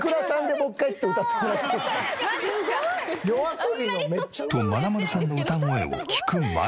マジっすか？とまなまるさんの歌声を聴く前に。